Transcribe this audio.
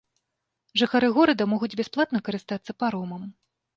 Жыхары горада могуць бясплатна карыстацца паромам.